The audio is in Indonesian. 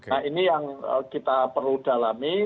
nah ini yang kita perlu dalami